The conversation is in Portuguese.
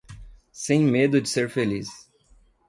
Sem medo de ser feliz